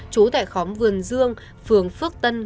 chú tại khóm vườn dương phường phước tân